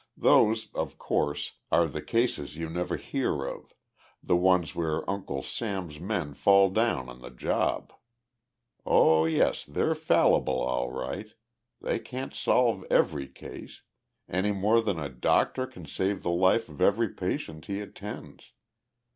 Those, of course, are the cases you never hear of the ones where Uncle Sam's men fall down on the job. Oh yes, they're fallible, all right. They can't solve every case any more than a doctor can save the life of every patient he attends.